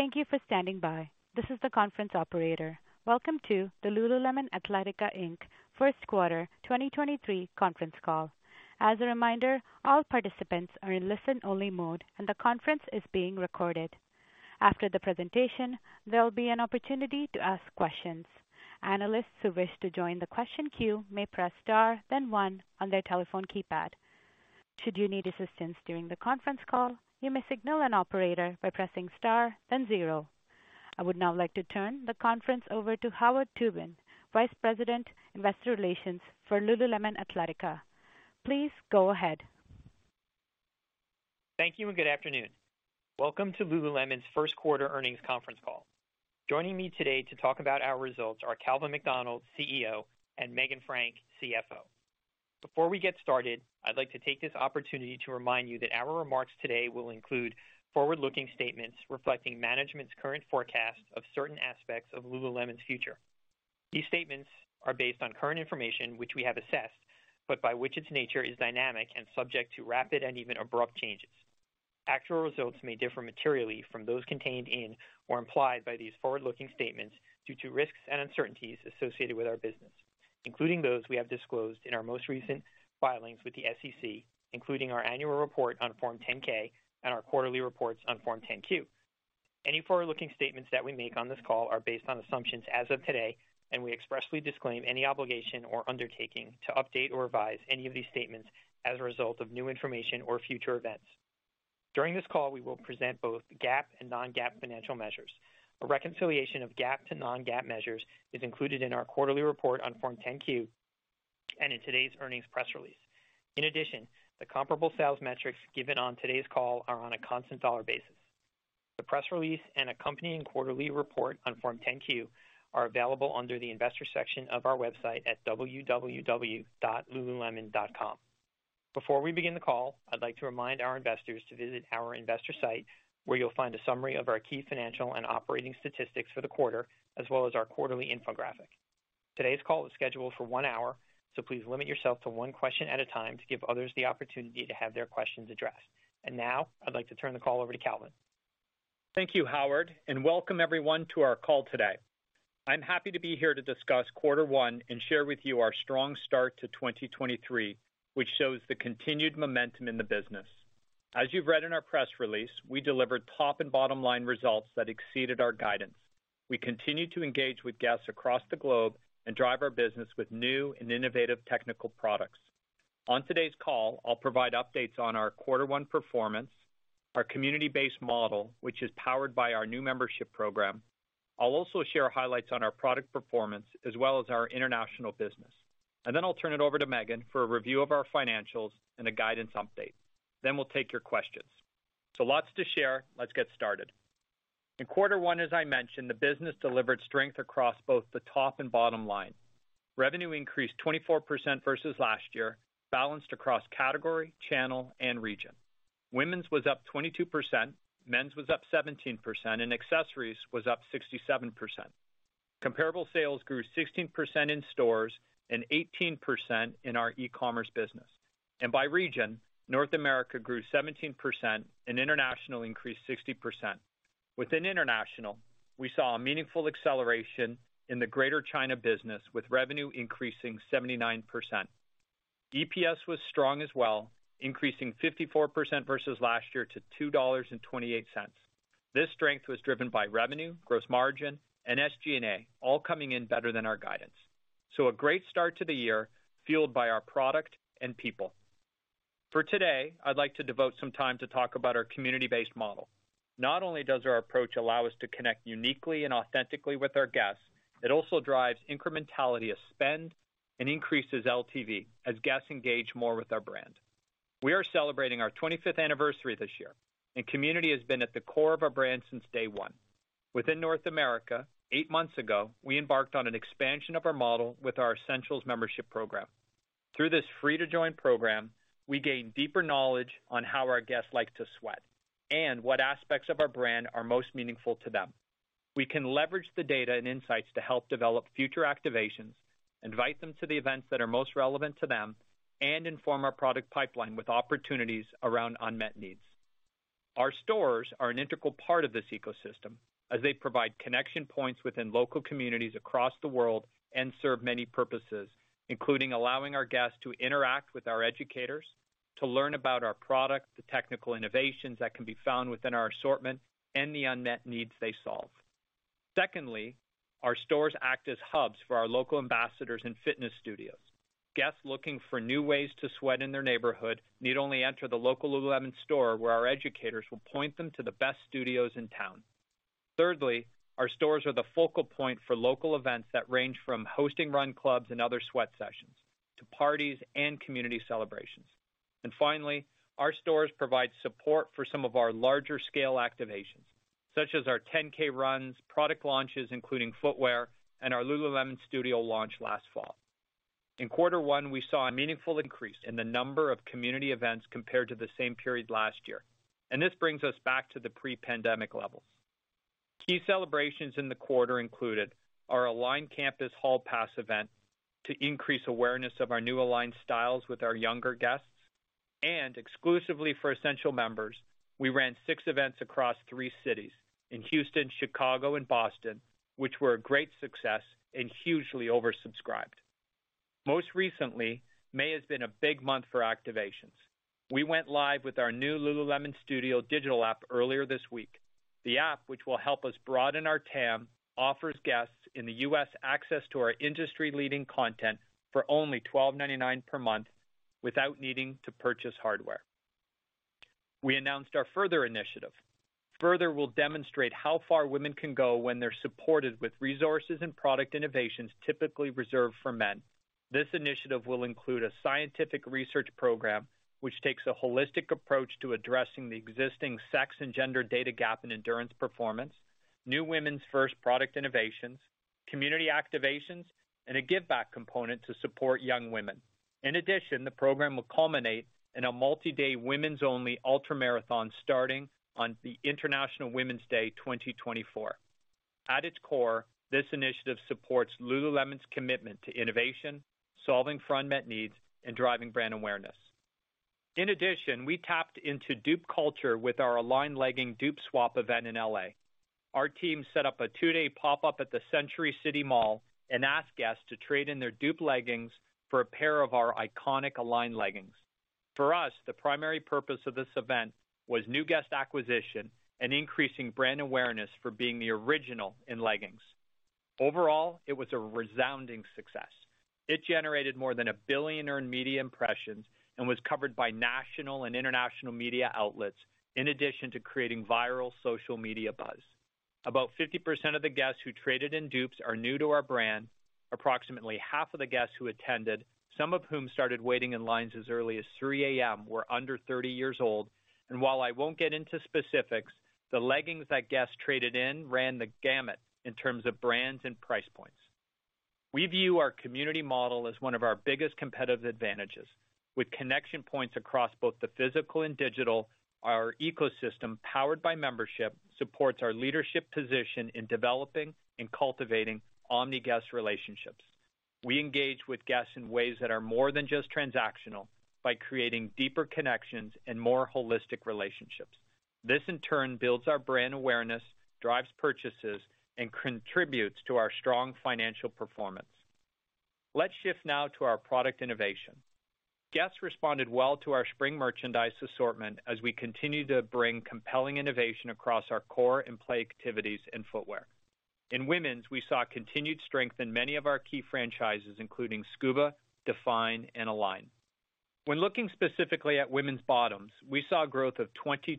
Thank you for standing by. This is the conference operator. lululemon athletica inc. first quarter 2023 conference call. As a reminder, all participants are in listen-only mode, and the conference is being recorded. After the presentation, there'll be an opportunity to ask questions. Analysts who wish to join the question queue may press Star, then one on their telephone keypad. Should you need assistance during the conference call, you may signal an operator by pressing Star, then zero. I would now like to turn the conference over to Howard Tubin, Vice President, Investor Relations, lululemon athletica. Please go ahead. Thank you and good afternoon. Welcome to lululemon's first quarter earnings conference call. Joining me today to talk about our results are Calvin McDonald, CEO, and Meghan Frank, CFO. Before we get started, I'd like to take this opportunity to remind you that our remarks today will include forward-looking statements reflecting management's current forecast of certain aspects of lululemon's future. These statements are based on current information, which we have assessed, but by which its nature is dynamic and subject to rapid and even abrupt changes. Actual results may differ materially from those contained in or implied by these forward-looking statements due to risks and uncertainties associated with our business, including those we have disclosed in our most recent filings with the SEC, including our annual report on Form 10-K and our quarterly reports on Form 10-Q. Any forward-looking statements that we make on this call are based on assumptions as of today, and we expressly disclaim any obligation or undertaking to update or revise any of these statements as a result of new information or future events. During this call, we will present both GAAP and non-GAAP financial measures. A reconciliation of GAAP to non-GAAP measures is included in our quarterly report on Form 10-Q and in today's earnings press release. In addition, the comparable sales metrics given on today's call are on a constant dollar basis. The press release and accompanying quarterly report on Form 10-Q are available under the Investor section of our website at www.lululemon.com. Before we begin the call, I'd like to remind our investors to visit our investor site, where you'll find a summary of our key financial and operating statistics for the quarter, as well as our quarterly infographic. Today's call is scheduled for one hour, so please limit yourself to one question at a time to give others the opportunity to have their questions addressed. Now, I'd like to turn the call over to Calvin. Thank you, Howard. Welcome everyone to our call today. I'm happy to be here to discuss quarter 1 and share with you our strong start to 2023, which shows the continued momentum in the business. As you've read in our press release, we delivered top and bottom line results that exceeded our guidance. We continue to engage with guests across the globe and drive our business with new and innovative technical products. On today's call, I'll provide updates on our quarter 1 performance, our community-based model, which is powered by our new membership program. I'll also share highlights on our product performance as well as our international business. Then I'll turn it over to Meghan for a review of our financials and a guidance update. We'll take your questions. Lots to share. Let's get started. In quarter one, as I mentioned, the business delivered strength across both the top and bottom line. Revenue increased 24% versus last year, balanced across category, channel, and region. Women's was up 22%, men's was up 17%, and accessories was up 67%. Comparable sales grew 16% in stores and 18% in our e-commerce business. By region, North America grew 17% and international increased 60%. Within international, we saw a meaningful acceleration in the Greater China business, with revenue increasing 79%. EPS was strong as well, increasing 54% versus last year to $2.28. This strength was driven by revenue, gross margin, and SG&A, all coming in better than our guidance. A great start to the year, fueled by our product and people. For today, I'd like to devote some time to talk about our community-based model. Not only does our approach allow us to connect uniquely and authentically with our guests, it also drives incrementality of spend and increases LTV as guests engage more with our brand. We are celebrating our 25th anniversary this year, and community has been at the core of our brand since day one. Within North America, eight months ago, we embarked on an expansion of our model with our Essential Membership program. Through this free-to-join program, we gain deeper knowledge on how our guests like to sweat and what aspects of our brand are most meaningful to them. We can leverage the data and insights to help develop future activations, invite them to the events that are most relevant to them, and inform our product pipeline with opportunities around unmet needs. Our stores are an integral part of this ecosystem as they provide connection points within local communities across the world and serve many purposes, including allowing our guests to interact with our educators, to learn about our product, the technical innovations that can be found within our assortment, and the unmet needs they solve. Secondly, our stores act as hubs for our local ambassadors and fitness studios. Guests looking for new ways to sweat in their neighborhood need only enter the local lululemon store, where our educators will point them to the best studios in town. Thirdly, our stores are the focal point for local events that range from hosting run clubs and other sweat sessions to parties and community celebrations. Finally, our stores provide support for some of our larger scale activations, such as our 10K runs, product launches, including footwear, and our lululemon Studio launch last fall. In quarter one, we saw a meaningful increase in the number of community events compared to the same period last year, and this brings us back to the pre-pandemic levels. Key celebrations in the quarter included our Align Campus Hall Pass event to increase awareness of our new Align styles with our younger guests. Exclusively for Essential members, we ran 6 events across 3 cities, in Houston, Chicago and Boston, which were a great success and hugely oversubscribed. Most recently, May has been a big month for activations. We went live with our new lululemon Studio digital app earlier this week. The app, which will help us broaden our TAM, offers guests in the U.S. access to our industry-leading content for only $12.99 per month without needing to purchase hardware. We announced our FURTHER initiative. FURTHER will demonstrate how far women can go when they're supported with resources and product innovations typically reserved for men. This initiative will include a scientific research program, which takes a holistic approach to addressing the existing sex and gender data gap in endurance performance, new women's first product innovations, community activations, and a give back component to support young women. The program will culminate in a multi-day, women's only ultramarathon, starting on the International Women's Day 2024. At its core, this initiative supports lululemon's commitment to innovation, solving for unmet needs, and driving brand awareness. We tapped into dupe culture with our Align legging dupe swap event in L.A. Our team set up a two-day pop-up at the Century City Mall and asked guests to trade in their dupe leggings for a pair of our iconic Align leggings. For us, the primary purpose of this event was new guest acquisition and increasing brand awareness for being the original in leggings. Overall, it was a resounding success. It generated more than 1 billion earned media impressions and was covered by national and international media outlets, in addition to creating viral social media buzz. About 50% of the guests who traded in dupes are new to our brand. Approximately half of the guests who attended, some of whom started waiting in lines as early as 3:00 A.M., were under 30 years old. While I won't get into specifics, the leggings that guests traded in ran the gamut in terms of brands and price points. We view our community model as one of our biggest competitive advantages. With connection points across both the physical and digital, our ecosystem, powered by membership, supports our leadership position in developing and cultivating omni guest relationships. We engage with guests in ways that are more than just transactional, by creating deeper connections and more holistic relationships. This, in turn, builds our brand awareness, drives purchases, and contributes to our strong financial performance. Let's shift now to our product innovation. Guests responded well to our spring merchandise assortment as we continued to bring compelling innovation across our core and play activities in footwear. In women's, we saw continued strength in many of our key franchises, including Scuba, Define and Align. When looking specifically at women's bottoms, we saw growth of 22%.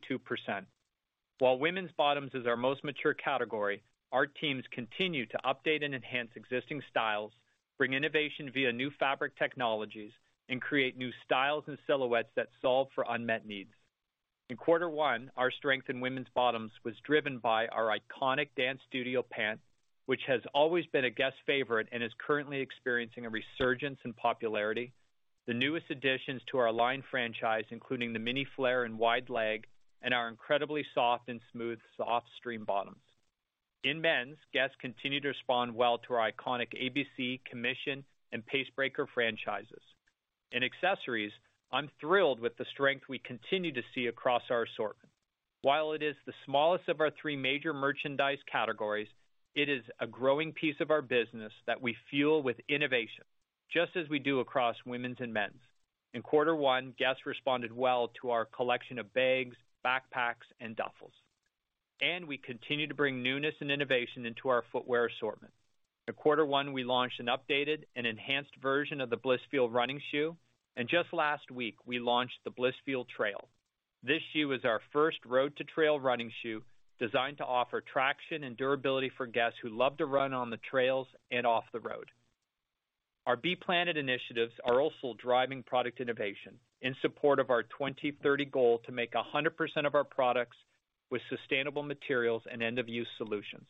While women's bottoms is our most mature category, our teams continue to update and enhance existing styles, bring innovation via new fabric technologies, and create new styles and silhouettes that solve for unmet needs. In quarter one, our strength in women's bottoms was driven by our iconic Dance Studio pant, which has always been a guest favorite and is currently experiencing a resurgence in popularity. The newest additions to our Align franchise, including the mini flare and wide leg, and our incredibly soft and smooth Softstreme bottoms. In men's, guests continue to respond well to our iconic ABC, Commission, and Pace Breaker franchises. In accessories, I'm thrilled with the strength we continue to see across our assortment. While it is the smallest of our three major merchandise categories, it is a growing piece of our business that we fuel with innovation, just as we do across women's and men's. In quarter one, guests responded well to our collection of bags, backpacks, and duffels. We continue to bring newness and innovation into our footwear assortment. In quarter one, we launched an updated and enhanced version of the Blissfeel running shoe. Just last week, we launched the Blissfeel Trail. This shoe is our first road to trail running shoe, designed to offer traction and durability for guests who love to run on the trails and off the road. Our Be Planet initiatives are also driving product innovation in support of our 2030 goal to make 100% of our products with sustainable materials and end-of-use solutions.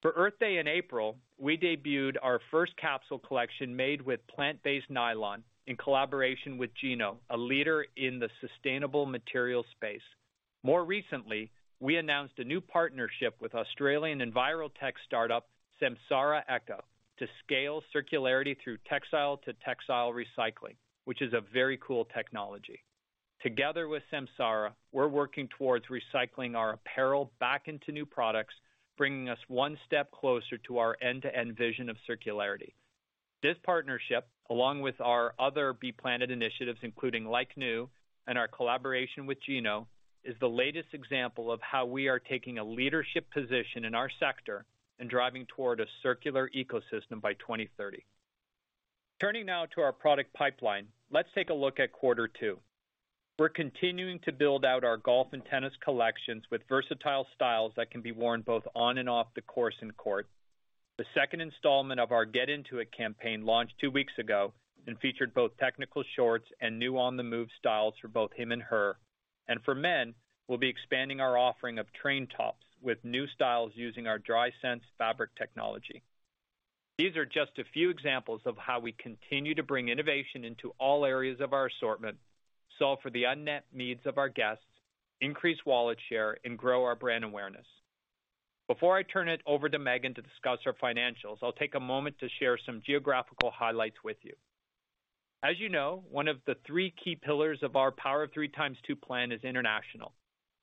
For Earth Day in April, we debuted our first capsule collection made with plant-based nylon in collaboration with Geno, a leader in the sustainable material space. More recently, we announced a new partnership with Australian enviro-tech startup, Samsara Eco, to scale circularity through textile to textile recycling, which is a very cool technology. Together with Samsara, we're working towards recycling our apparel back into new products, bringing us one step closer to our end-to-end vision of circularity. This partnership, along with our other Be Planet initiatives, including Like New and our collaboration with Geno, is the latest example of how we are taking a leadership position in our sector and driving toward a circular ecosystem by 2030. Turning now to our product pipeline. Let's take a look at quarter two. We're continuing to build out our golf and tennis collections with versatile styles that can be worn both on and off the course and court. The second installment of our Get Into It campaign launched two weeks ago and featured both technical shorts and new on-the-move styles for both him and her. For men, we'll be expanding our offering of train tops with new styles using our Drysense fabric technology. These are just a few examples of how we continue to bring innovation into all areas of our assortment, solve for the unmet needs of our guests, increase wallet share, and grow our brand awareness.... Before I turn it over to Meghan to discuss our financials, I'll take a moment to share some geographical highlights with you. As you know, one of the three key pillars of our Power of Three ×2 plan is international.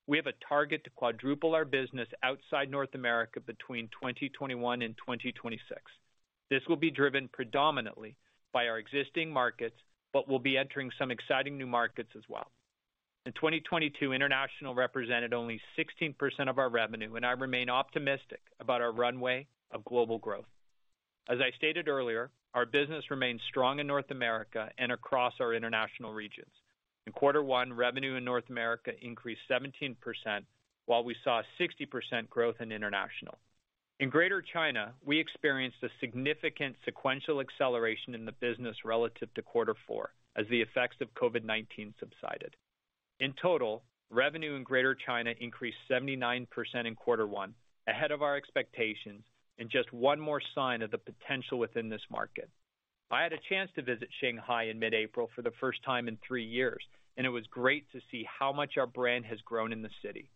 We have a target to quadruple our business outside North America between 2021 and 2026. This will be driven predominantly by our existing markets. We'll be entering some exciting new markets as well. In 2022, international represented only 16% of our revenue. I remain optimistic about our runway of global growth. As I stated earlier, our business remains strong in North America and across our international regions. In quarter one, revenue in North America increased 17%, while we saw 60% growth in international. In Greater China, we experienced a significant sequential acceleration in the business relative to quarter four, as the effects of COVID-19 subsided. In total, revenue in Greater China increased 79% in quarter one, ahead of our expectations. Just one more sign of the potential within this market. I had a chance to visit Shanghai in mid-April for the first time in 3 years, and it was great to see how much our brand has grown in the city.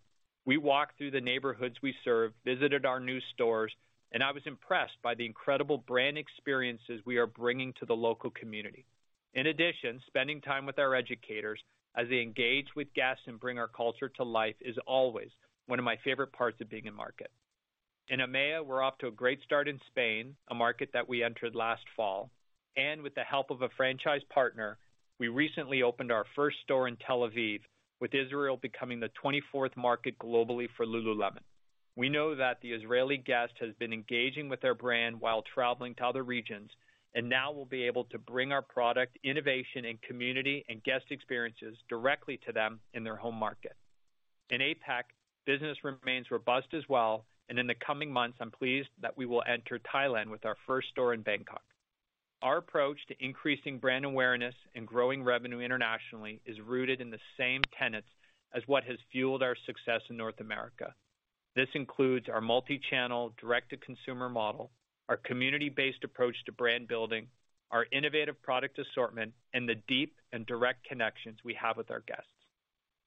We walked through the neighborhoods we serve, visited our new stores, and I was impressed by the incredible brand experiences we are bringing to the local community. In addition, spending time with our educators as they engage with guests and bring our culture to life, is always one of my favorite parts of being in market. In EMEA, we're off to a great start in Spain, a market that we entered last fall, and with the help of a franchise partner, we recently opened our first store in Tel Aviv, with Israel becoming the 24th market globally for lululemon. We know that the Israeli guest has been engaging with our brand while traveling to other regions, and now we'll be able to bring our product, innovation, and community, and guest experiences directly to them in their home market. In APAC, business remains robust as well, and in the coming months, I'm pleased that we will enter Thailand with our first store in Bangkok. Our approach to increasing brand awareness and growing revenue internationally is rooted in the same tenets as what has fueled our success in North America. This includes our multi-channel, direct-to-consumer model, our community-based approach to brand building, our innovative product assortment, and the deep and direct connections we have with our guests.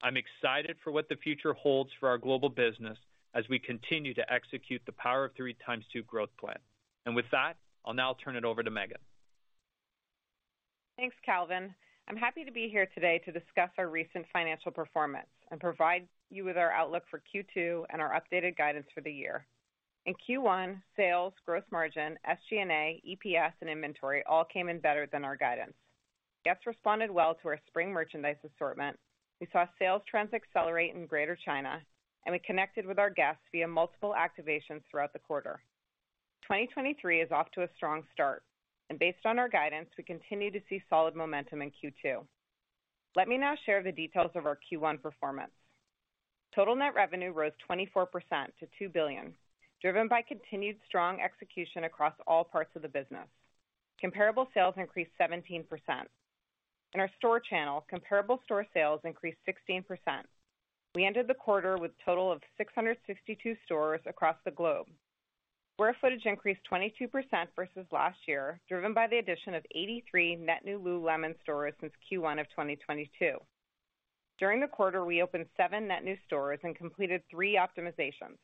I'm excited for what the future holds for our global business as we continue to execute the Power of Three x2 growth plan. With that, I'll now turn it over to Meghan. Thanks, Calvin. I'm happy to be here today to discuss our recent financial performance and provide you with our outlook for Q2 and our updated guidance for the year. In Q1, sales, gross margin, SG&A, EPS, and inventory all came in better than our guidance. Guests responded well to our spring merchandise assortment. We saw sales trends accelerate in Greater China. We connected with our guests via multiple activations throughout the quarter. 2023 is off to a strong start, and based on our guidance, we continue to see solid momentum in Q2. Let me now share the details of our Q1 performance. Total net revenue rose 24% to $2 billion, driven by continued strong execution across all parts of the business. Comparable sales increased 17%. In our store channel, comparable store sales increased 16%. We ended the quarter with a total of 662 stores across the globe. Square footage increased 22% versus last year, driven by the addition of 83 net new lululemon stores since Q1 of 2022. During the quarter, we opened 7 net new stores and completed 3 optimizations.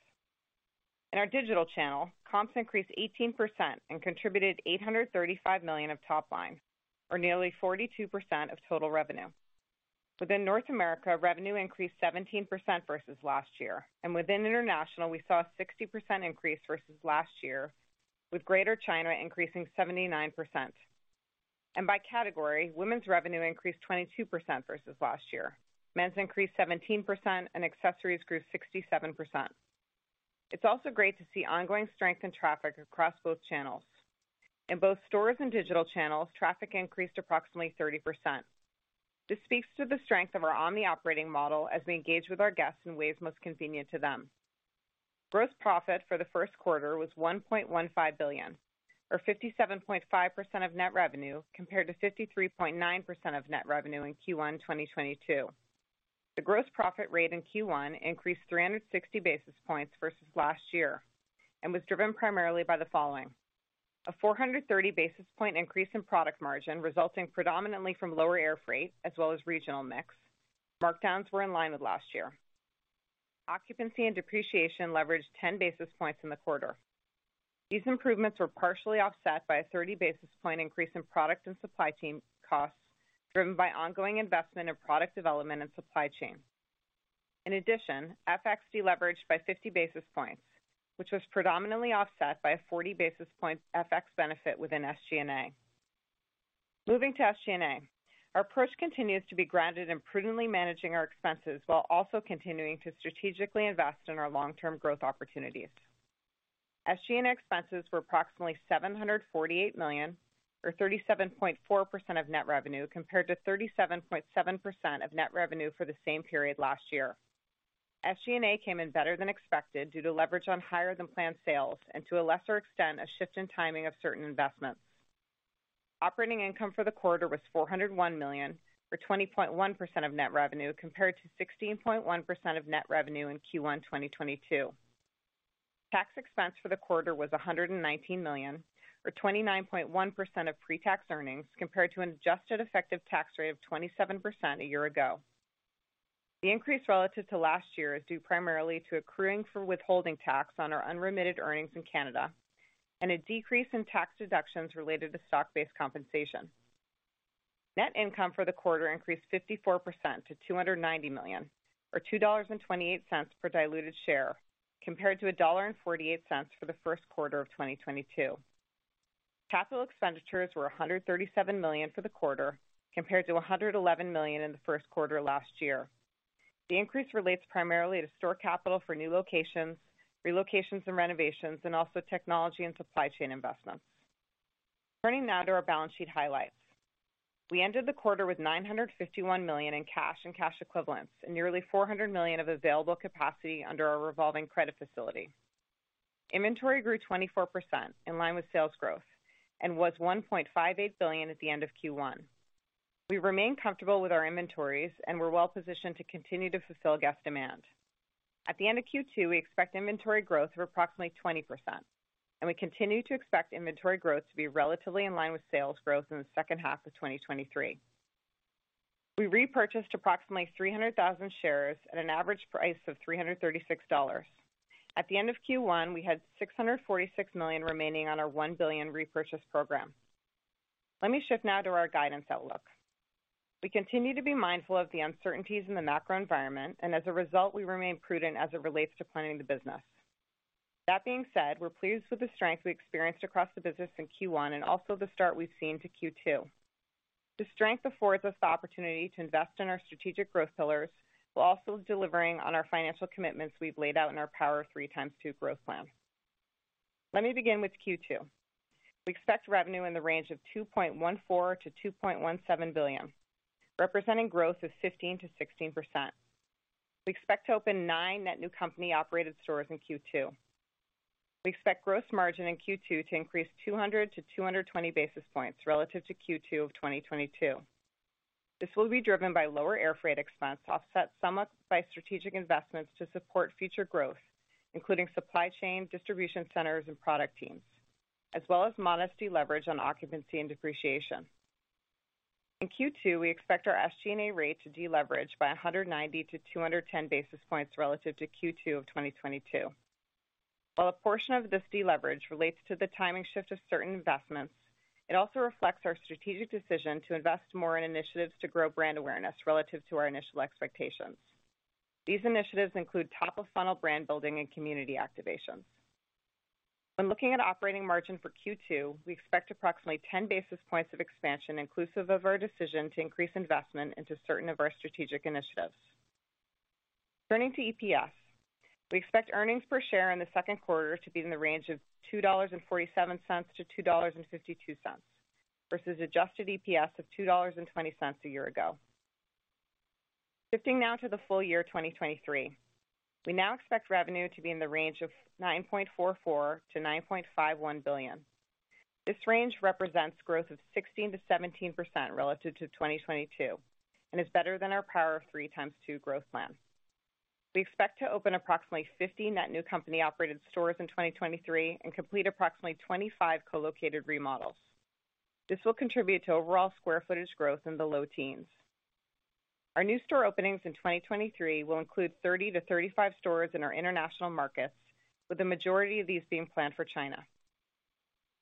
In our digital channel, comps increased 18% and contributed $835 million of top line, or nearly 42% of total revenue. Within North America, revenue increased 17% versus last year, and within international, we saw a 60% increase versus last year, with Greater China increasing 79%. By category, women's revenue increased 22% versus last year. Men's increased 17%, and accessories grew 67%. It's also great to see ongoing strength in traffic across both channels. In both stores and digital channels, traffic increased approximately 30%. This speaks to the strength of our omni-operating model as we engage with our guests in ways most convenient to them. Gross profit for the first quarter was $1.15 billion, or 57.5% of net revenue, compared to 53.9% of net revenue in Q1 2022. The gross profit rate in Q1 increased 360 basis points versus last year and was driven primarily by the following: A 430 basis point increase in product margin, resulting predominantly from lower air freight as well as regional mix. Markdowns were in line with last year. Occupancy and depreciation leveraged 10 basis points in the quarter. These improvements were partially offset by a 30 basis point increase in product and supply chain costs, driven by ongoing investment in product development and supply chain. FX deleveraged by 50 basis points, which was predominantly offset by a 40 basis point FX benefit within SG&A. Moving to SG&A. Our approach continues to be grounded in prudently managing our expenses while also continuing to strategically invest in our long-term growth opportunities. SG&A expenses were approximately $748 million, or 37.4% of net revenue, compared to 37.7% of net revenue for the same period last year. SG&A came in better than expected due to leverage on higher-than-planned sales and, to a lesser extent, a shift in timing of certain investments. Operating income for the quarter was $401 million, or 20.1% of net revenue, compared to 16.1% of net revenue in Q1 2022. Tax expense for the quarter was $119 million, or 29.1% of pre-tax earnings, compared to an adjusted effective tax rate of 27% a year ago. The increase relative to last year is due primarily to accruing for withholding tax on our unremitted earnings in Canada and a decrease in tax deductions related to stock-based compensation. Net income for the quarter increased 54% to $290 million, or $2.28 per diluted share, compared to $1.48 for the first quarter of 2022. Capital expenditures were $137 million for the quarter, compared to $111 million in the first quarter of last year. The increase relates primarily to store capital for new locations, relocations and renovations, and also technology and supply chain investments. Turning now to our balance sheet highlights. We ended the quarter with $951 million in cash and cash equivalents, and nearly $400 million of available capacity under our revolving credit facility. Inventory grew 24%, in line with sales growth, and was $1.58 billion at the end of Q1. We remain comfortable with our inventories and we're well positioned to continue to fulfill guest demand. At the end of Q2, we expect inventory growth of approximately 20%, and we continue to expect inventory growth to be relatively in line with sales growth in the second half of 2023. We repurchased approximately 300,000 shares at an average price of $336. At the end of Q1, we had $646 million remaining on our $1 billion repurchase program. Let me shift now to our guidance outlook. We continue to be mindful of the uncertainties in the macro environment, as a result, we remain prudent as it relates to planning the business. That being said, we're pleased with the strength we experienced across the business in Q1 and also the start we've seen to Q2. This strength affords us the opportunity to invest in our strategic growth pillars, while also delivering on our financial commitments we've laid out in our Power of Three x2 growth plan. Let me begin with Q2. We expect revenue in the range of $2.14 billion-$2.17 billion, representing growth of 15%-16%. We expect to open nine net new company-operated stores in Q2. We expect gross margin in Q2 to increase 200 to 220 basis points relative to Q2 of 2022. This will be driven by lower air freight expense, offset somewhat by strategic investments to support future growth, including supply chain, distribution centers, and product teams, as well as modest deleverage on occupancy and depreciation. In Q2, we expect our SG&A rate to deleverage by 190 to 210 basis points relative to Q2 of 2022. While a portion of this deleverage relates to the timing shift of certain investments, it also reflects our strategic decision to invest more in initiatives to grow brand awareness relative to our initial expectations. These initiatives include top-of-funnel brand building and community activation. When looking at operating margin for Q2, we expect approximately 10 basis points of expansion, inclusive of our decision to increase investment into certain of our strategic initiatives. Turning to EPS, we expect earnings per share in the second quarter to be in the range of $2.47-$2.52, versus adjusted EPS of $2.20 a year ago. Shifting now to the full year 2023, we now expect revenue to be in the range of $9.44 billion-$9.51 billion. This range represents growth of 16%-17% relative to 2022 and is better than our Power of Three x2 growth plan. We expect to open approximately 50 net new company-operated stores in 2023 and complete approximately 25 co-located remodels. This will contribute to overall square footage growth in the low teens. Our new store openings in 2023 will include 30-35 stores in our international markets, with the majority of these being planned for China.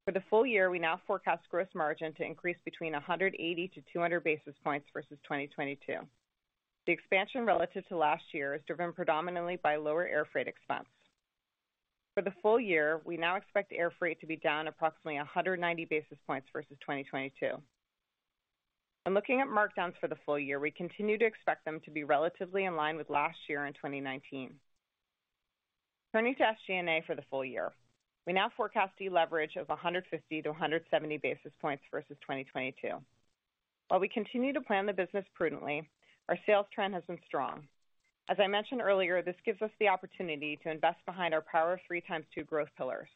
For the full year, we now forecast gross margin to increase between 180-200 basis points versus 2022. The expansion relative to last year is driven predominantly by lower air freight expense. For the full year, we now expect air freight to be down approximately 190 basis points versus 2022. When looking at markdowns for the full year, we continue to expect them to be relatively in line with last year in 2019. Turning to SG&A for the full year, we now forecast deleverage of 150-170 basis points versus 2022. While we continue to plan the business prudently, our sales trend has been strong. As I mentioned earlier, this gives us the opportunity to invest behind our Power of Three ×2 growth pillars,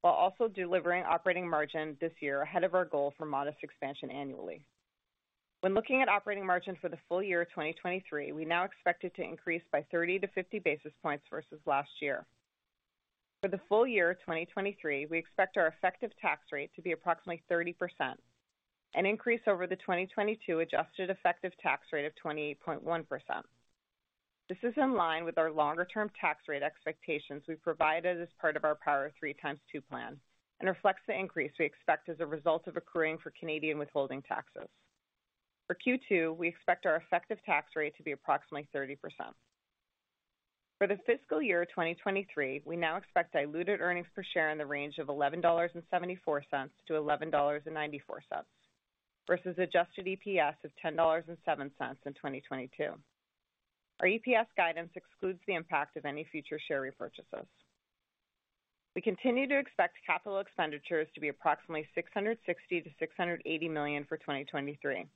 while also delivering operating margin this year ahead of our goal for modest expansion annually. When looking at operating margin for the full year of 2023, we now expect it to increase by 30 to 50 basis points versus last year. For the full year of 2023, we expect our effective tax rate to be approximately 30%, an increase over the 2022 adjusted effective tax rate of 28.1%. This is in line with our longer-term tax rate expectations we provided as part of our Power of Three ×2 plan and reflects the increase we expect as a result of accruing for Canadian withholding taxes. For Q2, we expect our effective tax rate to be approximately 30%. For the fiscal year 2023, we now expect diluted earnings per share in the range of $11.74-$11.94, versus adjusted EPS of $10.07 in 2022. Our EPS guidance excludes the impact of any future share repurchases. We continue to expect CapEx to be approximately $660 million-$680 million for 2023.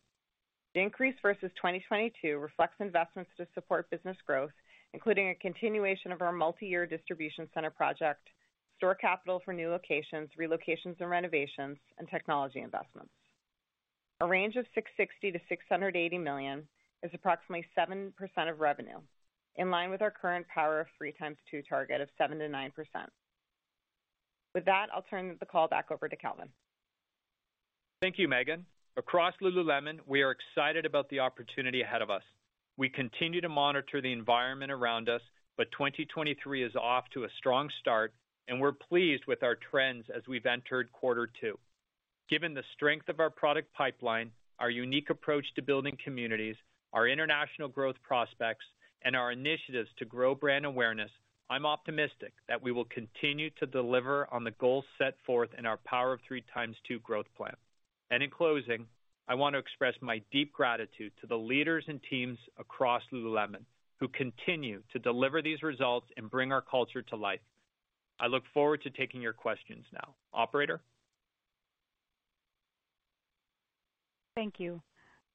The increase versus 2022 reflects investments to support business growth, including a continuation of our multi-year distribution center project, store capital for new locations, relocations and renovations, and technology investments. A range of $660 million-$680 million is approximately 7% of revenue, in line with our current Power of Three ×2 target of 7%-9%. With that, I'll turn the call back over to Calvin. Thank you, Meghan. Across lululemon, we are excited about the opportunity ahead of us. We continue to monitor the environment around us, but 2023 is off to a strong start, and we're pleased with our trends as we've entered quarter two. Given the strength of our product pipeline, our unique approach to building communities, our international growth prospects, and our initiatives to grow brand awareness, I'm optimistic that we will continue to deliver on the goals set forth in our Power of Three ×2 growth plan. In closing, I want to express my deep gratitude to the leaders and teams across lululemon, who continue to deliver these results and bring our culture to life. I look forward to taking your questions now. Operator? Thank you.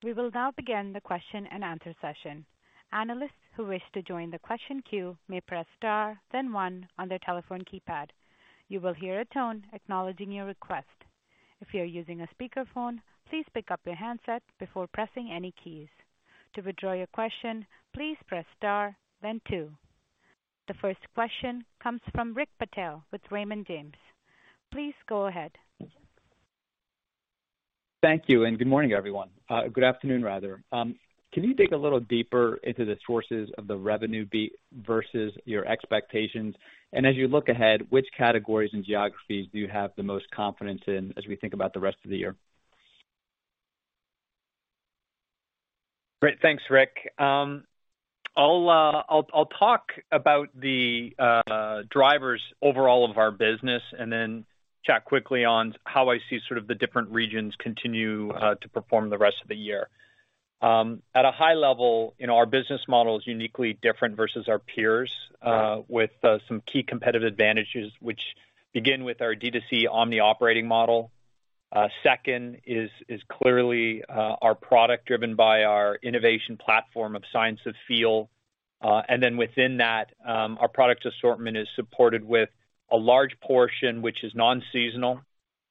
We will now begin the question-and-answer session. Analysts who wish to join the question queue may press star then one on their telephone keypad. You will hear a tone acknowledging your request. If you're using a speakerphone, please pick up your handset before pressing any keys. To withdraw your question, please press star then two. The first question comes from Rick Patel with Raymond James. Please go ahead. Thank you. Good morning, everyone. Good afternoon, rather. Can you dig a little deeper into the sources of the revenue beat versus your expectations? As you look ahead, which categories and geographies do you have the most confidence in as we think about the rest of the year? Great. Thanks, Rick. I'll talk about the drivers overall of our business and then chat quickly on how I see sort of the different regions continue to perform the rest of the year. At a high level, you know, our business model is uniquely different versus our peers, with some key competitive advantages, which begin with our D2C omni-operating model. Second is clearly our product, driven by our innovation platform of Science of Feel. Within that, our product assortment is supported with a large portion, which is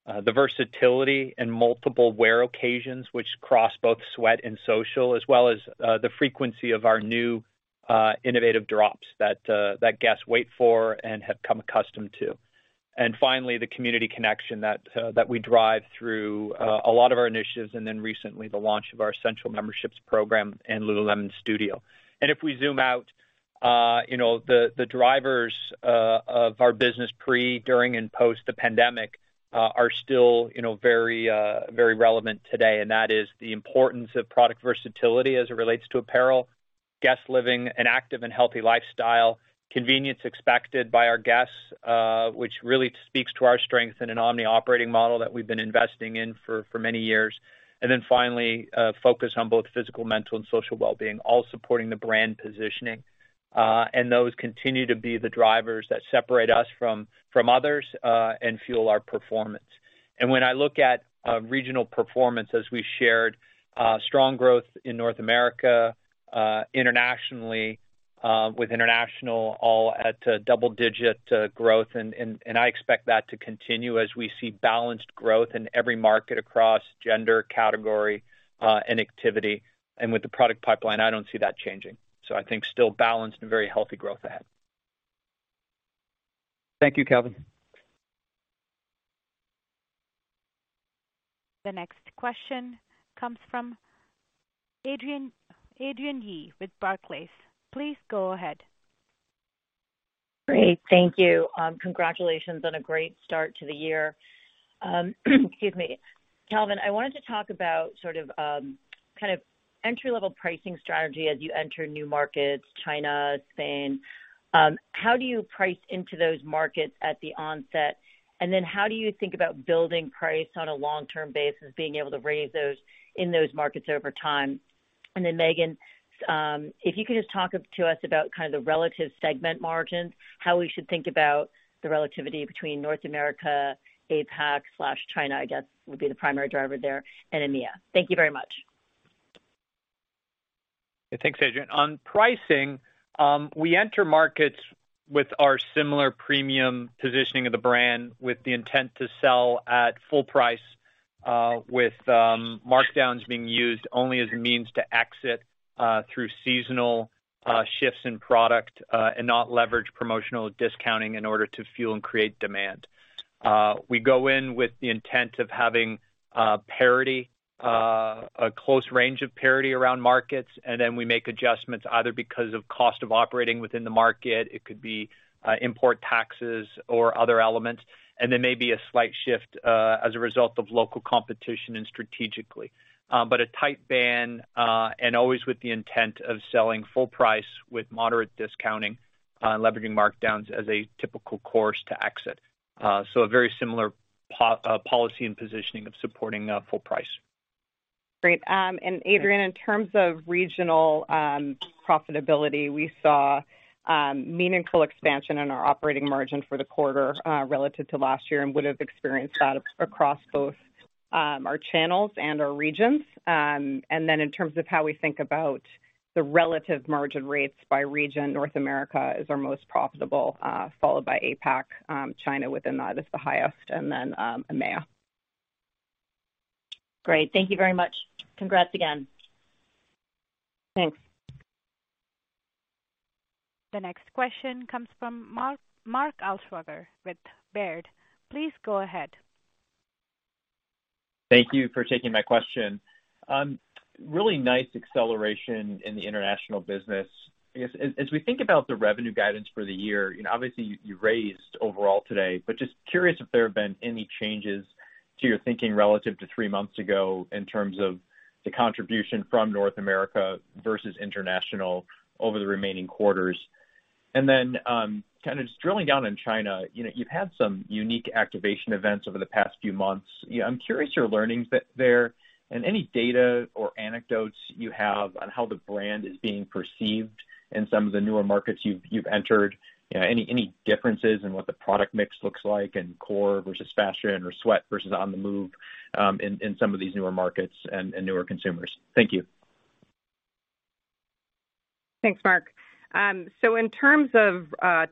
non-seasonal. Versatility and multiple wear occasions, which cross both sweat and social, as well as the frequency of our new innovative drops that guests wait for and have come accustomed to. Finally, the community connection that we drive through a lot of our initiatives, and then recently, the launch of our Essential Memberships program and lululemon Studio. If we zoom out, you know, the drivers of our business pre, during, and post the pandemic, are still, you know, very relevant today, and that is the importance of product versatility as it relates to apparel, guests living an active and healthy lifestyle, convenience expected by our guests, which really speaks to our strength in an omni-operating model that we've been investing in for many years. Then finally, focus on both physical, mental, and social wellbeing, all supporting the brand positioning. Those continue to be the drivers that separate us from others and fuel our performance. When I look at regional performance, as we shared, strong growth in North America, internationally, with international all at double-digit growth, and I expect that to continue as we see balanced growth in every market across gender, category, and activity. With the product pipeline, I don't see that changing. I think still balanced and very healthy growth ahead. Thank you, Calvin. The next question comes from Adrienne Yih with Barclays. Please go ahead. Great. Thank you. Congratulations on a great start to the year. Excuse me. Calvin, I wanted to talk about sort of, kind of entry-level pricing strategy as you enter new markets, China, Spain. How do you price into those markets at the onset? How do you think about building price on a long-term basis, being able to raise those in those markets over time? Meghan, if you could just talk to us about kind of the relative segment margins, how we should think about the relativity between North America, APAC/China, I guess, would be the primary driver there, and EMEA. Thank you very much. Thanks, Adrienne. On pricing, we enter markets with our similar premium positioning of the brand, with the intent to sell at full price, with markdowns being used only as a means to exit through seasonal shifts in product and not leverage promotional discounting in order to fuel and create demand. We go in with the intent of having parity, a close range of parity around markets. Then we make adjustments either because of cost of operating within the market, it could be import taxes or other elements. There may be a slight shift as a result of local competition and strategically. A tight band, and always with the intent of selling full price with moderate discounting, leveraging markdowns as a typical course to exit. A very similar policy and positioning of supporting, full price. Great. Adrienne, in terms of regional profitability, we saw meaningful expansion in our operating margin for the quarter relative to last year, and would have experienced that across both our channels and our regions. In terms of how we think about the relative margin rates by region, North America is our most profitable, followed by APAC, China within that is the highest, and then EMEA. Great. Thank you very much. Congrats again. Thanks. The next question comes from Mark Altschwager with Baird. Please go ahead. Thank you for taking my question. Really nice acceleration in the international business. I guess, as we think about the revenue guidance for the year, you know, obviously you raised overall today, but just curious if there have been any changes to your thinking relative to three months ago in terms of the contribution from North America versus international over the remaining quarters? Kind of just drilling down in China, you know, you've had some unique activation events over the past few months. I'm curious your learnings there, and any data or anecdotes you have on how the brand is being perceived in some of the newer markets you've entered? Any differences in what the product mix looks like in core versus fashion or sweat versus on the move, in some of these newer markets and newer consumers? Thank you. Thanks, Mark. In terms of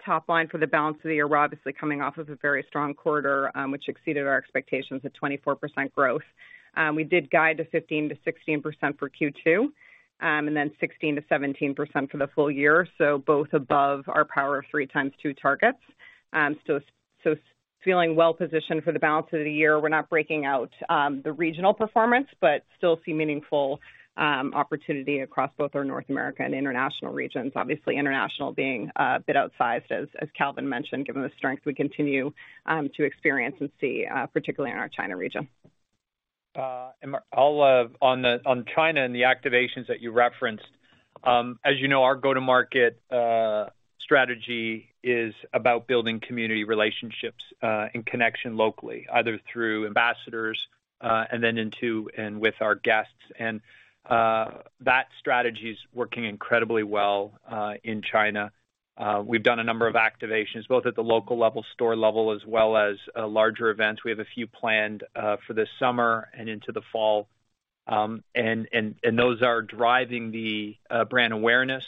top line for the balance of the year, we're obviously coming off of a very strong quarter, which exceeded our expectations at 24% growth. We did guide to 15%-16% for Q2, and then 16%-17% for the full year, both above our Power of Three x2 targets. Feeling well positioned for the balance of the year. We're not breaking out the regional performance, but still see meaningful opportunity across both our North America and international regions. Obviously, international being a bit outsized as Calvin mentioned, given the strength we continue to experience and see particularly in our China region. And I'll on China and the activations that you referenced, as you know, our go-to-market strategy is about building community relationships and connection locally, either through ambassadors and then into and with our guests. That strategy is working incredibly well in China. We've done a number of activations, both at the local level, store level, as well as larger events. We have a few planned for this summer and into the fall. And those are driving the brand awareness,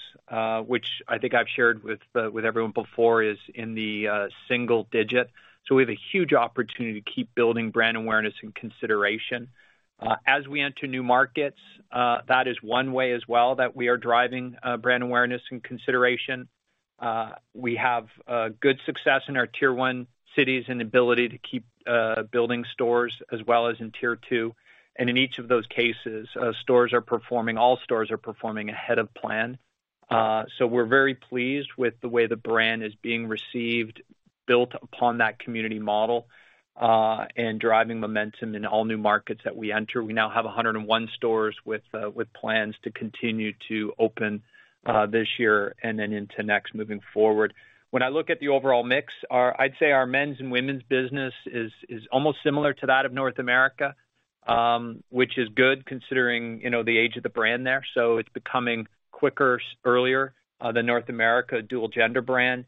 which I think I've shared with everyone before, is in the single digit. We have a huge opportunity to keep building brand awareness and consideration. As we enter new markets, that is one way as well, that we are driving brand awareness and consideration. We have good success in our tier 1 cities and ability to keep building stores as well as in tier 2. In each of those cases, stores are performing ahead of plan. We're very pleased with the way the brand is being received, built upon that community model and driving momentum in all new markets that we enter. We now have 101 stores with plans to continue to open this year and then into next moving forward. When I look at the overall mix, I'd say our men's and women's business is almost similar to that of North America, which is good considering, you know, the age of the brand there. It's becoming quicker, earlier than North America, dual gender brand.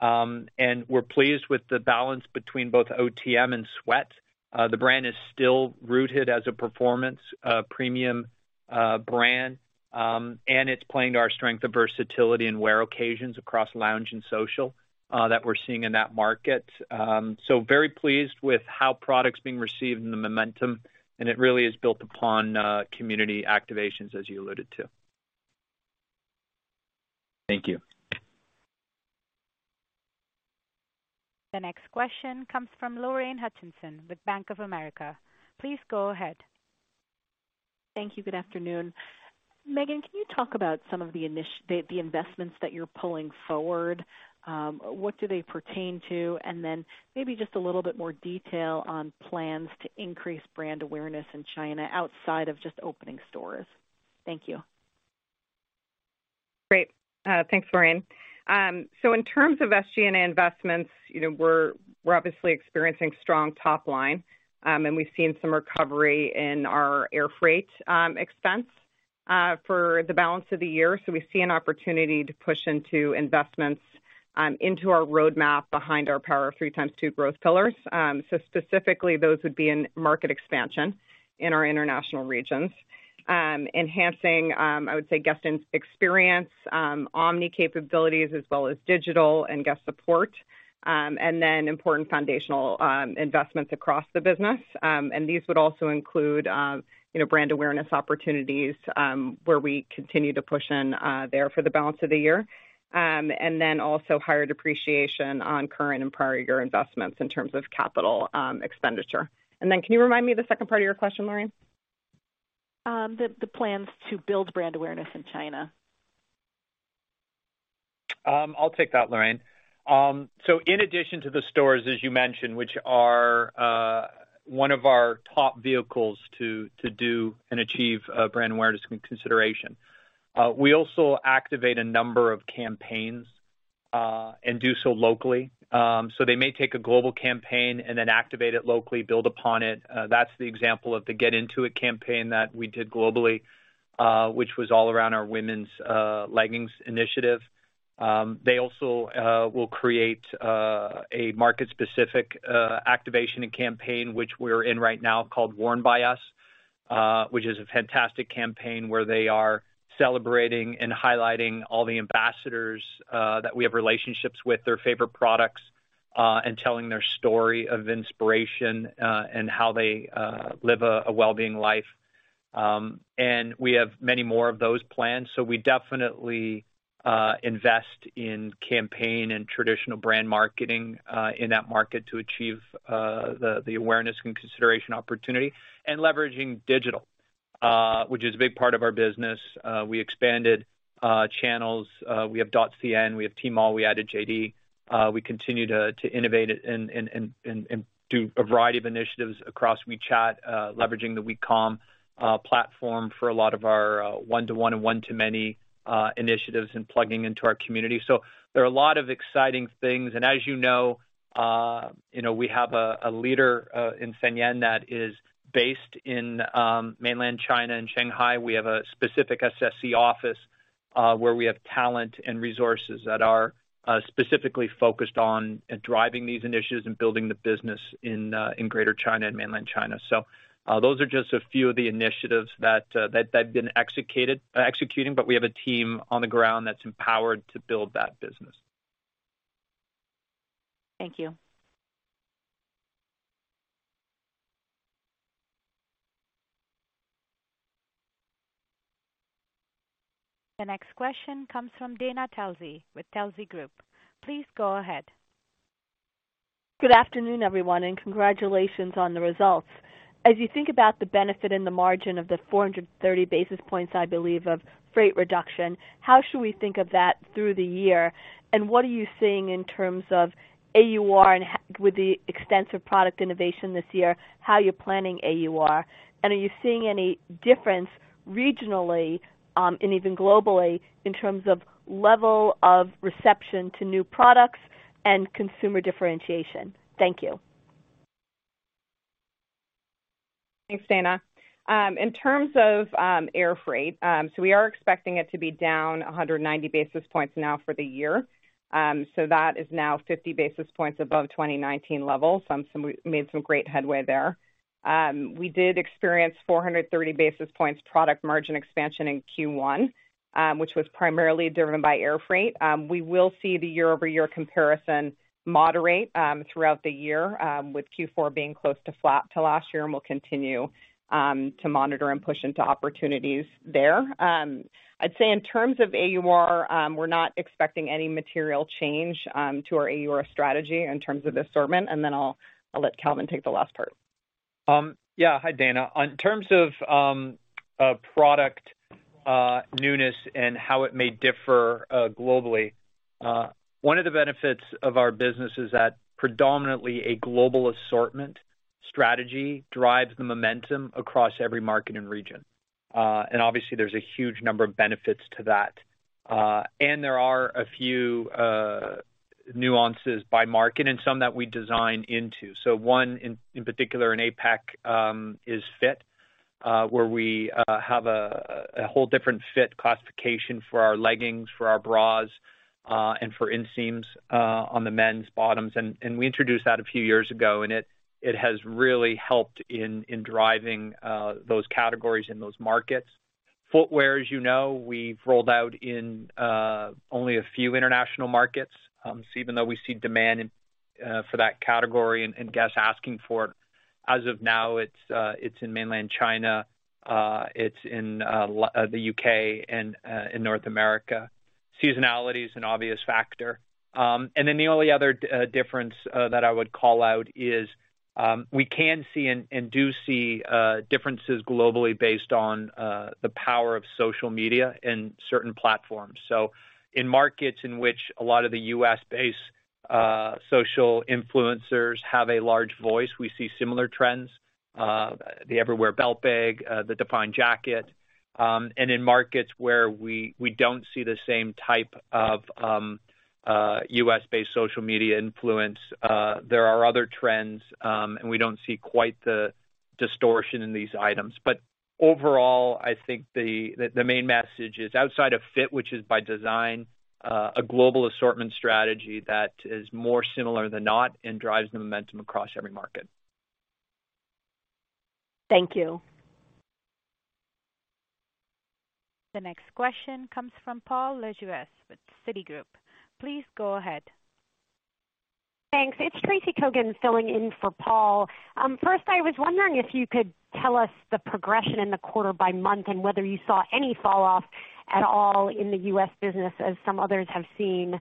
We're pleased with the balance between both OTM and sweat. The brand is still rooted as a performance, premium brand, and it's playing to our strength of versatility and wear occasions across lounge and social that we're seeing in that market. Very pleased with how product's being received and the momentum, and it really is built upon community activations, as you alluded to. Thank you. The next question comes from Lorraine Hutchinson with Bank of America. Please go ahead. Thank you. Good afternoon. Meghan, can you talk about some of the investments that you're pulling forward? What do they pertain to? Then maybe just a little bit more detail on plans to increase brand awareness in China outside of just opening stores. Thank you. Thanks, Lorraine. In terms of SG&A investments, you know, we're obviously experiencing strong top line. We've seen some recovery in our air freight expense for the balance of the year. We see an opportunity to push into investments into our roadmap behind our Power of Three ×2 growth pillars. Specifically, those would be in market expansion in our international regions. Enhancing, I would say, guest experience, omni capabilities, as well as digital and guest support, and then important foundational investments across the business. These would also include, you know, brand awareness opportunities where we continue to push in there for the balance of the year. Also higher depreciation on current and prior year investments in terms of capital expenditure. Can you remind me the second part of your question, Lorraine? The plans to build brand awareness in China. I'll take that, Lorraine. In addition to the stores, as you mentioned, which are one of our top vehicles to do and achieve brand awareness and consideration, we also activate a number of campaigns and do so locally. They may take a global campaign and then activate it locally, build upon it. That's the example of the Get Into It campaign that we did globally, which was all around our women's leggings initiative. They also will create a market-specific activation and campaign, which we're in right now, called Worn by Us, which is a fantastic campaign where they are celebrating and highlighting all the ambassadors that we have relationships with, their favorite products, and telling their story of inspiration and how they live a well-being life. We have many more of those planned. We definitely invest in campaign and traditional brand marketing in that market to achieve the awareness and consideration opportunity and leveraging digital, which is a big part of our business. We expanded channels. We have .cn, we have Tmall, we added JD. We continue to innovate and do a variety of initiatives across WeChat, leveraging the WeCom platform for a lot of our one-to-one and one-to-many initiatives and plugging into our community. There are a lot of exciting things. As you know, you know, we have a leader in Fifi Ting that is based in mainland China, in Shanghai. We have a specific SSC office, where we have talent and resources that are specifically focused on driving these initiatives and building the business in Greater China and mainland China. Those are just a few of the initiatives that have been executing, but we have a team on the ground that's empowered to build that business. Thank you. The next question comes from Dana Telsey with Telsey Advisory Group. Please go ahead. Good afternoon, everyone. Congratulations on the results. As you think about the benefit in the margin of the 430 basis points, I believe, of freight reduction, how should we think of that through the year? What are you seeing in terms of AUR with the extensive product innovation this year, how you're planning AUR? Are you seeing any difference regionally, and even globally, in terms of level of reception to new products and consumer differentiation? Thank you. Thanks, Dana. In terms of air freight, we are expecting it to be down 190 basis points now for the year. That is now 50 basis points above 2019 level. We made some great headway there. We did experience 430 basis points product margin expansion in Q1, which was primarily driven by air freight. We will see the year-over-year comparison moderate throughout the year, with Q4 being close to flat to last year. We'll continue to monitor and push into opportunities there. I'd say in terms of AUR, we're not expecting any material change to our AUR strategy in terms of assortment. I'll let Calvin take the last part. Yeah. Hi, Dana. On terms of product newness and how it may differ globally, one of the benefits of our business is that predominantly a global assortment strategy drives the momentum across every market and region. Obviously, there's a huge number of benefits to that. There are a few nuances by market and some that we design into. One in particular, in APAC, is fit, where we have a whole different fit classification for our leggings, for our bras, and for inseams on the men's bottoms. We introduced that a few years ago, and it has really helped in driving those categories in those markets. Footwear, as you know, we've rolled out in only a few international markets. Even though we see demand in for that category and guests asking for it, as of now, it's in mainland China, it's in the U.K. and in North America. Seasonality is an obvious factor. The only other difference that I would call out is we can see and do see differences globally based on the power of social media in certain platforms. In markets in which a lot of the U.S.-based social influencers have a large voice, we see similar trends, the Everywhere Belt Bag, the Define Jacket. In markets where we don't see the same type of U.S.-based social media influence, there are other trends, and we don't see quite the distortion in these items. Overall, I think the main message is outside of fit, which is by design, a global assortment strategy that is more similar than not and drives the momentum across every market. Thank you. The next question comes from Paul Lejuez with Citi. Please go ahead. Thanks. It's Tracy Kogan filling in for Paul. First, I was wondering if you could tell us the progression in the quarter by month and whether you saw any falloff at all in the U.S. business, as some others have seen.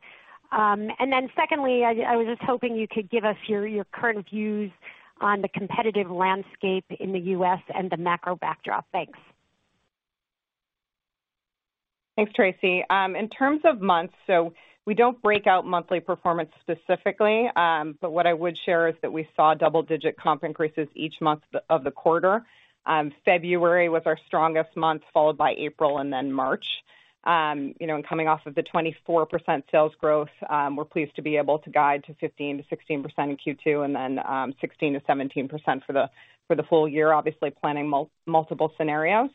Secondly, I was just hoping you could give us your current views on the competitive landscape in the U.S. and the macro backdrop. Thanks. Thanks, Tracy. In terms of months, we don't break out monthly performance specifically, but what I would share is that we saw double-digit comp increases each month of the quarter. February was our strongest month, followed by April and then March. You know, coming off of the 24% sales growth, we're pleased to be able to guide to 15%-16% in Q2 and then, 16%-17% for the full year, obviously planning multiple scenarios,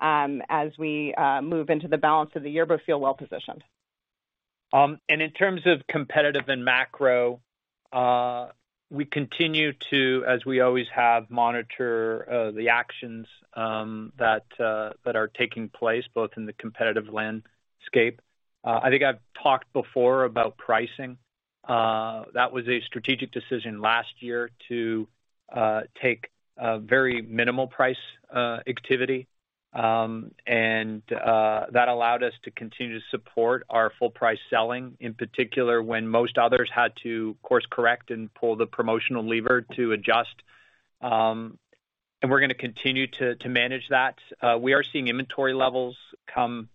as we move into the balance of the year, but feel well positioned. In terms of competitive and macro, we continue to, as we always have, monitor the actions that are taking place, both in the competitive landscape. I think I've talked before about pricing. That was a strategic decision last year to take a very minimal price activity. That allowed us to continue to support our full price selling, in particular, when most others had to course correct and pull the promotional lever to adjust. We're gonna continue to manage that. We are seeing inventory levels come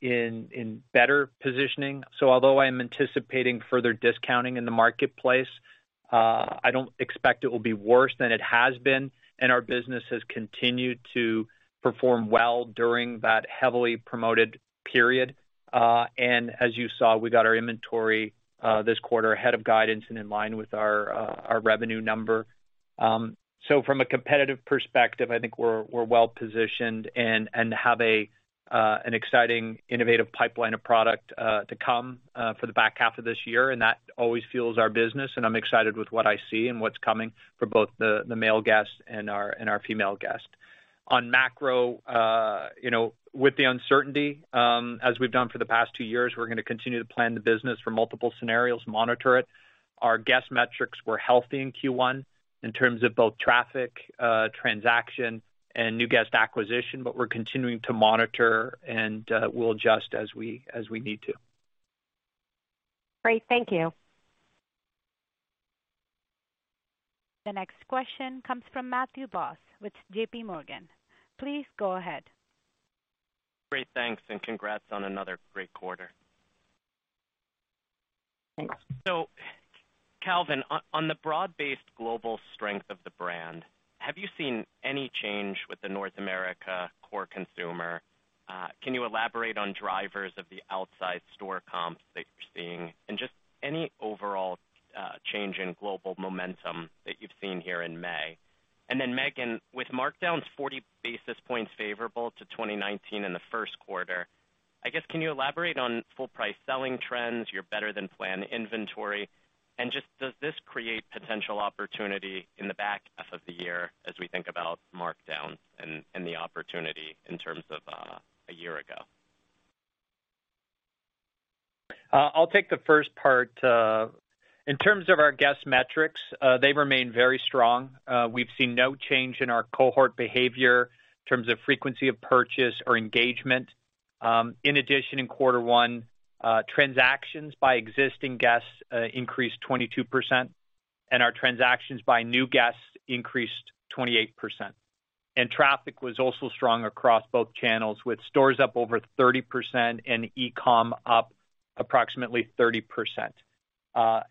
in better positioning. Although I am anticipating further discounting in the marketplace, I don't expect it will be worse than it has been, and our business has continued to perform well during that heavily promoted period. As you saw, we got our inventory this quarter ahead of guidance and in line with our revenue number. From a competitive perspective, I think we're well positioned and have an exciting innovative pipeline of product to come for the back half of this year, and that always fuels our business, and I'm excited with what I see and what's coming for both the male guests and our female guests. On macro, you know, with the uncertainty, as we've done for the past two years, we're gonna continue to plan the business for multiple scenarios, monitor it. Our guest metrics were healthy in Q1 in terms of both traffic, transaction, and new guest acquisition, but we're continuing to monitor, and we'll adjust as we, as we need to. Great. Thank you. The next question comes from Matthew Boss with JPMorgan. Please go ahead. Great. Thanks, and congrats on another great quarter. Thanks. Calvin, on the broad-based global strength of the brand, have you seen any change with the North America core consumer? Can you elaborate on drivers of the outside store comps that you're seeing and just any overall change in global momentum that you've seen here in May? Meghan, with markdowns 40 basis points favorable to 2019 in the first quarter, I guess, can you elaborate on full price selling trends, your better-than-planned inventory, and just does this create potential opportunity in the back half of the year as we think about markdowns and the opportunity in terms of a year ago? I'll take the first part. In terms of our guest metrics, they remain very strong. We've seen no change in our cohort behavior in terms of frequency of purchase or engagement. In addition, in quarter one, transactions by existing guests increased 22%, and our transactions by new guests increased 28%. Traffic was also strong across both channels, with stores up over 30% and e-com up approximately 30%.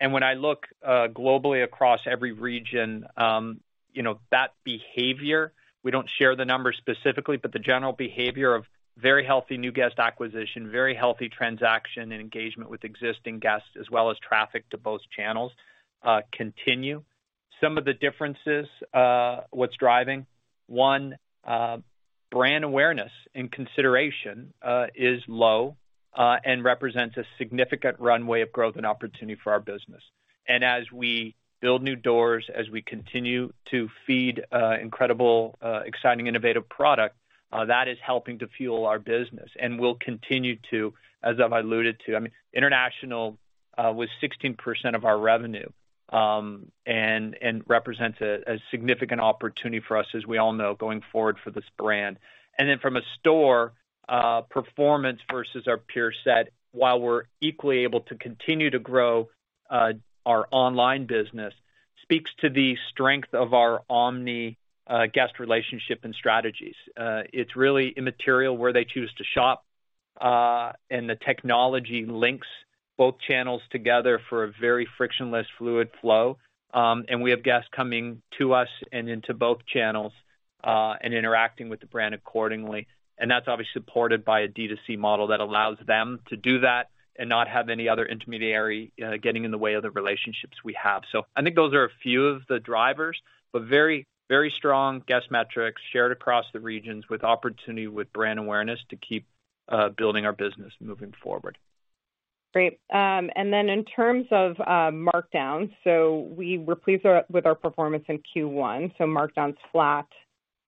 When I look globally across every region, you know, that behavior, we don't share the numbers specifically, but the general behavior of very healthy new guest acquisition, very healthy transaction and engagement with existing guests, as well as traffic to both channels, continue. Some of the differences, what's driving, one, brand awareness and consideration, is low, and represents a significant runway of growth and opportunity for our business. As we build new doors, as we continue to feed, incredible, exciting, innovative product, that is helping to fuel our business. We'll continue to, as I've alluded to. I mean, international, was 16% of our revenue, and represents a significant opportunity for us, as we all know, going forward for this brand. From a store, performance versus our peer set, while we're equally able to continue to grow, our online business, speaks to the strength of our omni, guest relationship and strategies. It's really immaterial where they choose to shop, and the technology links both channels together for a very frictionless, fluid flow. We have guests coming to us and into both channels, and interacting with the brand accordingly, and that's obviously supported by a D2C model that allows them to do that and not have any other intermediary, getting in the way of the relationships we have. I think those are a few of the drivers, but very, very strong guest metrics shared across the regions with opportunity with brand awareness to keep building our business moving forward. Great. Then in terms of markdowns, We were pleased with our performance in Q1. Markdowns flat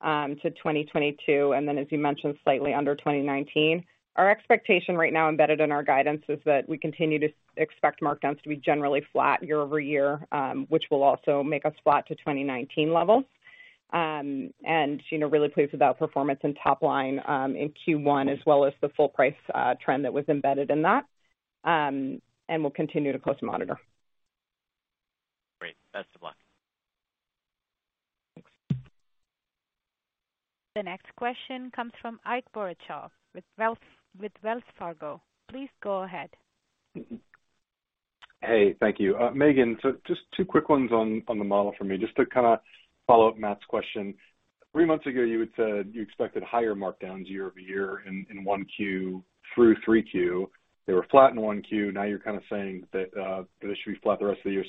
to 2022, and then, as you mentioned, slightly under 2019. Our expectation right now, embedded in our guidance, is that we continue to expect markdowns to be generally flat year-over-year, which will also make us flat to 2019 levels. You know, really pleased with that performance and top line in Q1, as well as the full price trend that was embedded in that. We'll continue to close monitor. Great. Best of luck. Thanks. The next question comes from Ike Boruchow with Wells Fargo. Please go ahead. Hey, thank you. Meghan, just 2 quick ones on the model for me, just to kinda follow up Matthew's question. 3 months ago, you had said you expected higher markdowns year-over-year in 1Q through 3Q. They were flat in 1Q. Now you're kind of saying that they should be flat the rest of the year.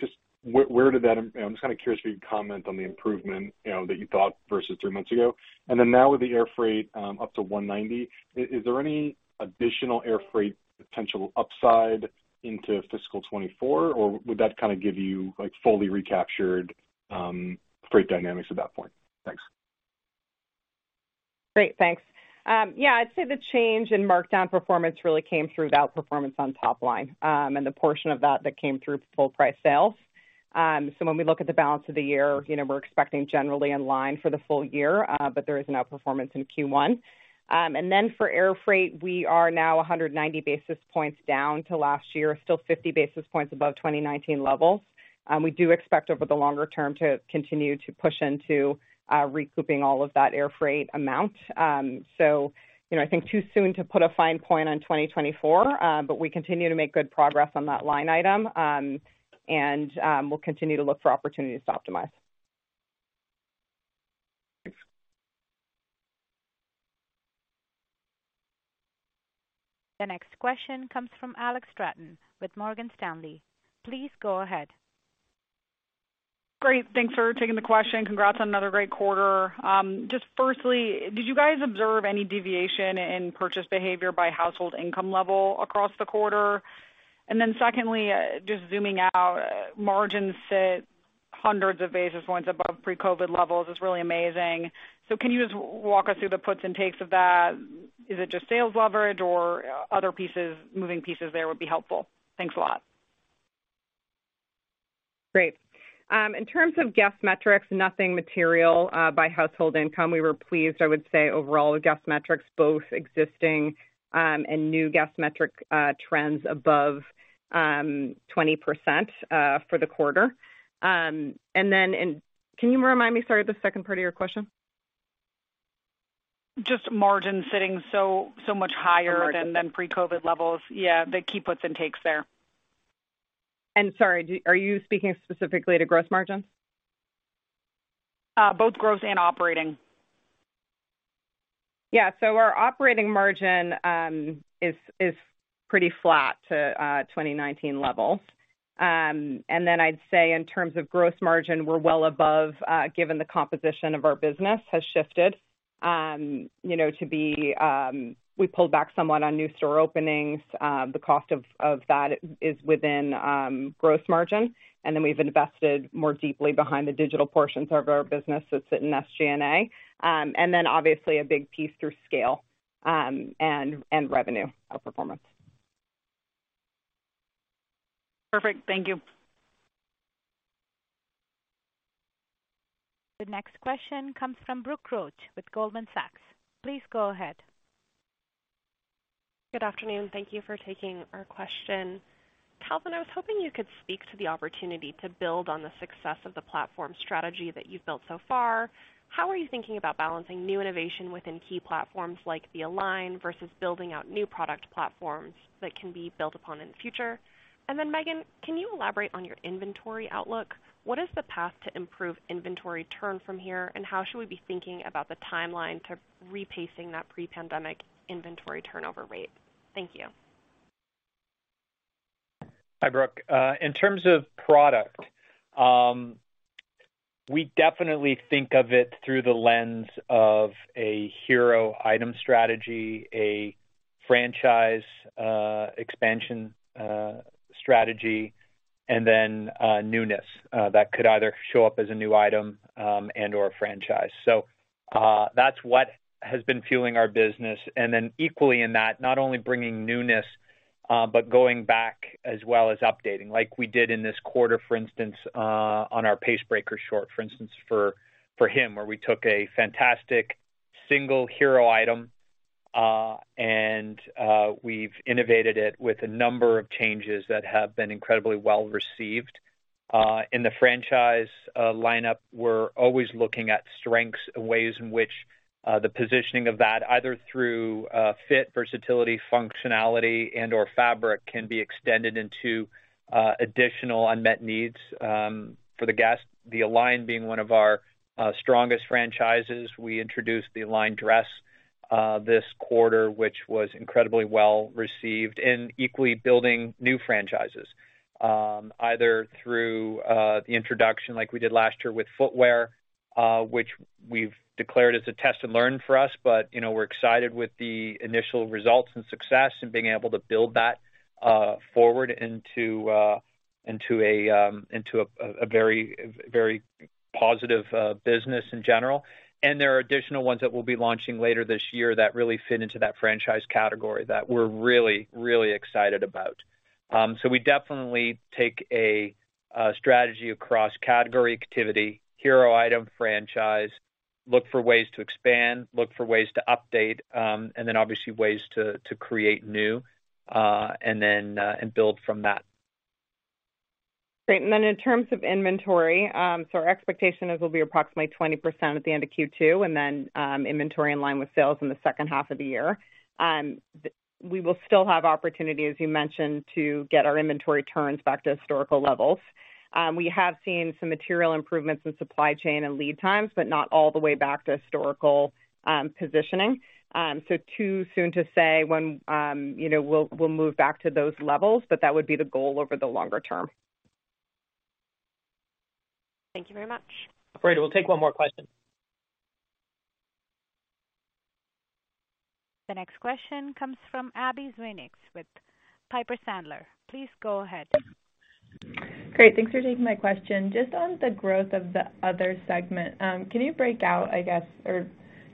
Just where did that. I'm just kind of curious if you could comment on the improvement, you know, that you thought versus 3 months ago. Now with the air freight, up to $1.90, is there any additional air freight potential upside into fiscal 2024, or would that kind of give you, like, fully recaptured freight dynamics at that point? Thanks. Great, thanks. Yeah, I'd say the change in markdown performance really came through the outperformance on top line, and the portion of that came through full price sales. When we look at the balance of the year, you know, we're expecting generally in line for the full year, but there is an outperformance in Q1. For air freight, we are now 190 basis points down to last year, still 50 basis points above 2019 levels. We do expect over the longer term to continue to push into recouping all of that air freight amount. You know, I think too soon to put a fine point on 2024, but we continue to make good progress on that line item. We'll continue to look for opportunities to optimize. Thanks. The next question comes from Alex Straton with Morgan Stanley. Please go ahead. Great, thanks for taking the question. Congrats on another great quarter. Just firstly, did you guys observe any deviation in purchase behavior by household income level across the quarter? Secondly, just zooming out, margins sit hundreds of basis points above pre-COVID levels. It's really amazing. Can you just walk us through the puts and takes of that? Is it just sales leverage or other moving pieces there would be helpful. Thanks a lot. Great. In terms of guest metrics, nothing material by household income. We were pleased, I would say, overall, guest metrics, both existing and new guest metric trends above 20% for the quarter. Can you remind me, sorry, the second part of your question? Just margin sitting so much higher than pre-COVID levels. Yeah, the key puts and takes there. Sorry, are you speaking specifically to gross margin? Both gross and operating. Our operating margin is pretty flat to 2019 level. I'd say in terms of gross margin, we're well above, given the composition of our business has shifted, you know, to be, we pulled back somewhat on new store openings. The cost of that is within gross margin, we've invested more deeply behind the digital portions of our business that sit in SG&A. Obviously a big piece through scale and revenue outperformance. Perfect. Thank you. The next question comes from Brooke Roach with Goldman Sachs. Please go ahead. Good afternoon. Thank you for taking our question. Calvin, I was hoping you could speak to the opportunity to build on the success of the platform strategy that you've built so far. How are you thinking about balancing new innovation within key platforms like the Align versus building out new product platforms that can be built upon in the future? Meghan, can you elaborate on your inventory outlook? What is the path to improve inventory turn from here, and how should we be thinking about the timeline to repacing that pre-pandemic inventory turnover rate? Thank you. Hi, Brooke. In terms of product, we definitely think of it through the lens of a hero item strategy, a franchise expansion strategy, and then newness that could either show up as a new item and/or a franchise. That's what has been fueling our business. Equally in that, not only bringing newness, but going back as well as updating, like we did in this quarter, for instance, on our Pace Breaker Short, for instance, for him, where we took a fantastic single hero item, and we've innovated it with a number of changes that have been incredibly well received. In the franchise lineup, we're always looking at strengths and ways in which the positioning of that, either through fit, versatility, functionality, and/or fabric, can be extended into additional unmet needs for the guest. The Align being one of our strongest franchises. We introduced the Align Dress this quarter, which was incredibly well received. Equally building new franchises, either through the introduction, like we did last year with footwear, which we've declared as a test and learn for us. You know, we're excited with the initial results and success and being able to build that forward into a very, very positive business in general. There are additional ones that we'll be launching later this year that really fit into that franchise category that we're really, really excited about. We definitely take a strategy across category activity, hero item, franchise, look for ways to expand, look for ways to update, and then obviously ways to create new, and then and build from that. Great. In terms of inventory, our expectation is it will be approximately 20% at the end of Q2, inventory in line with sales in the second half of the year. We will still have opportunity, as you mentioned, to get our inventory turns back to historical levels. We have seen some material improvements in supply chain and lead times, but not all the way back to historical, positioning. Too soon to say when, you know, we'll move back to those levels, but that would be the goal over the longer term. Thank you very much. Great. We'll take one more question. The next question comes from Abbie Zvejnieks with Piper Sandler. Please go ahead. Great, thanks for taking my question. Just on the growth of the other segment, can you break out, I guess, or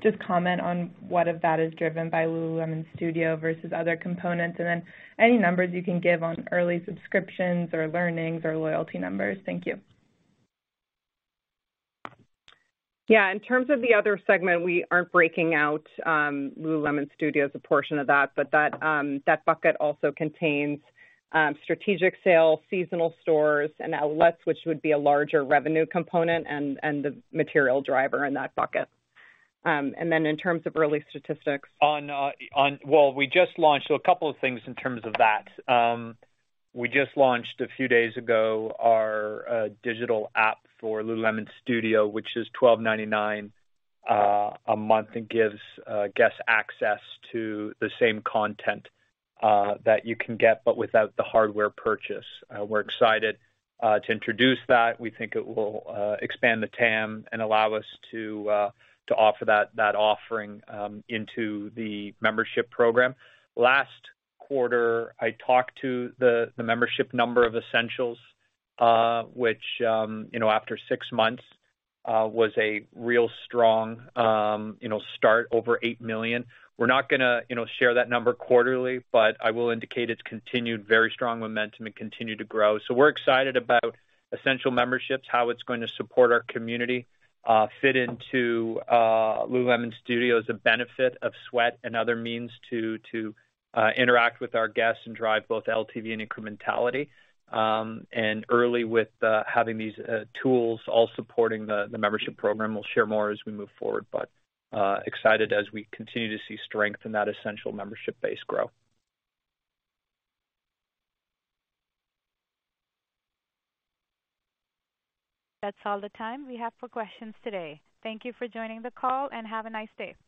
just comment on what of that is driven by lululemon Studio versus other components? Then any numbers you can give on early subscriptions or learnings or loyalty numbers? Thank you. In terms of the other segment, we aren't breaking out, lululemon Studio as a portion of that, but that bucket also contains, strategic sales, seasonal stores and outlets, which would be a larger revenue component and the material driver in that bucket. In terms of early statistics. We just launched. A couple of things in terms of that. We just launched a few days ago, our digital app for lululemon Studio, which is $12.99 a month, and gives guests access to the same content that you can get, but without the hardware purchase. We're excited to introduce that. We think it will expand the TAM and allow us to offer that offering into the membership program. Last quarter, I talked to the membership number of Essentials, which, you know, after six months, was a real strong, you know, start, over 8 million. We're not gonna, you know, share that number quarterly, but I will indicate it's continued very strong momentum and continue to grow. We're excited about Essential Membership, how it's going to support our community, fit into lululemon Studio as a benefit of sweat and other means to interact with our guests and drive both LTV and incrementality. Early with having these tools all supporting the membership program. We'll share more as we move forward, but excited as we continue to see strength in that Essential Membership base grow. That's all the time we have for questions today. Thank you for joining the call, and have a nice day!